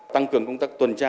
tăng cường công tác tuần tra